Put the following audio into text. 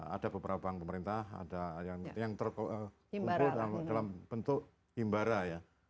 ada beberapa bank pemerintah yang terkumpul dalam bentuk himbara ya